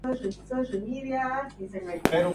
Ejemplo: mercaderías rotas que no se pueden vender.